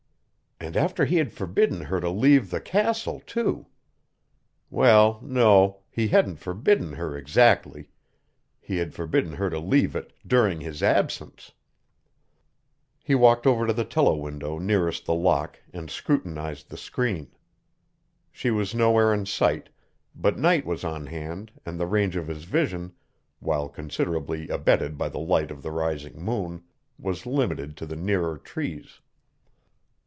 And after he had forbidden her to leave the "castle" too! Well no, he hadn't forbidden her exactly: he had forbidden her to leave it during his absence. He walked over to the telewindow nearest the lock and scrutinized the screen. She was nowhere in sight, but night was on hand and the range of his vision, while considerably abetted by the light of the rising moon, was limited to the nearer trees.